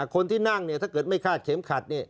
คนที่นั่งถ้าเกิดไม่ฆาตเข็มขัด